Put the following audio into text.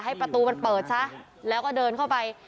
ประตูมันเปิดซะแล้วก็เดินเข้าไป